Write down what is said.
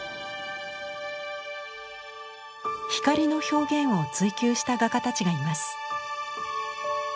光の表現を追求した画家たちがいます。